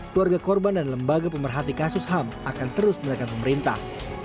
keluarga korban dan lembaga pemerhati kasus ham akan terus menekan pemerintah